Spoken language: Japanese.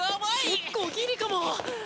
結構ギリかも！